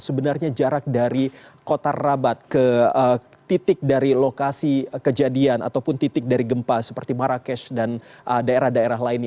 sebenarnya jarak dari kota rabat ke titik dari lokasi kejadian ataupun titik dari gempa seperti marrakesh dan daerah daerah lainnya